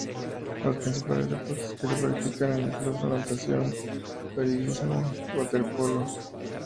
Los principales deportes que se practican en el club son natación, piragüismo y waterpolo.